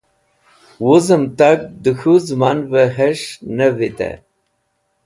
Wuzẽm tag dẽ k̃hũ zẽmanvẽ hes̃h ne vitẽ.